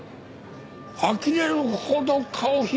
あきれるほど顔広いんだねえ。